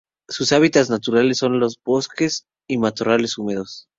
Sus hábitats naturales son los bosques y matorrales húmedos.